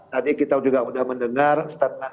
tadi kita juga sudah mendengar statement